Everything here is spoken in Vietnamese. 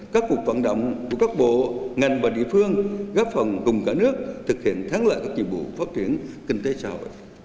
các cuộc vận động của các bộ ngành và địa phương gấp phần cùng cả nước thực hiện thắng lại các nhiệm vụ phát triển kinh tế sau